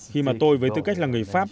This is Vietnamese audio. khi mà tôi với tư cách là người pháp